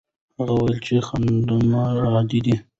هغه وویل چې خنډونه عادي دي.